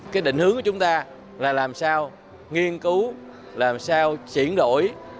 cái định hướng của chúng ta là làm sao nghiên cứu làm sao chuyển đổi